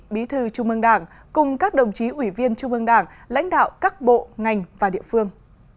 bí thư trung ương đảng cùng các đồng chí ủy viên trung ương đảng lãnh đạo các bộ ngành và địa phương